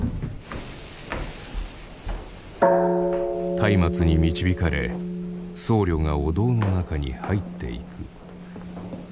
松明に導かれ僧侶がお堂の中に入っていく。